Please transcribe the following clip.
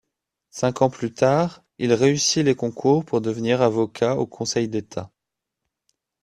Cinq ans plus tard, il réussit les concours pour devenir avocat au Conseil d'État.